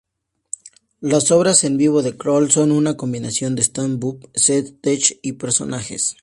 Las obras en vivo de Kroll son una combinación de stand-up, sketches y personajes.